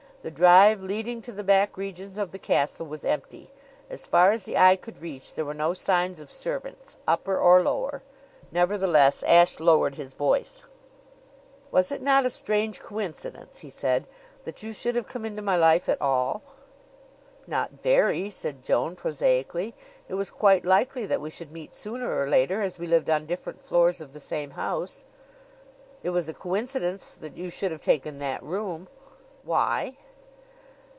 The drive leading to the back regions of the castle was empty. As far as the eye could reach there were no signs of servants upper or lower. Nevertheless, Ashe lowered his voice. "Was it not a strange coincidence," he said, "that you should have come into my life at all?" "Not very," said Joan prosaically. "It was quite likely that we should meet sooner or later, as we lived on different floors of the same house." "It was a coincidence that you should have taken that room." "Why?"